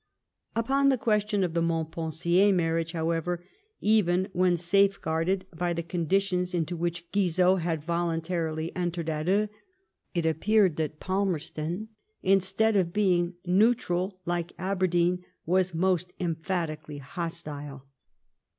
Upon the question of the Montpensier marriage, however, even when safeguarded by the conditions X 104 LIFE OF VISCOUNT PALMEB8T0N. into which Gaizot had Tolantarily entered at En, it appeared that Palmerston, instead of being nentral like Aberdeen, was most emphatically hostile.